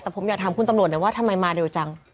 แต่ผมอยากถามคุณตำรวจหน่อยว่าทำไมมาเร็วจัง